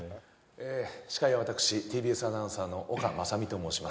司会は私ＴＢＳアナウンサーのオカマサミと申します